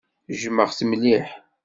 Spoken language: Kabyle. Jjmeɣ-t mliḥ.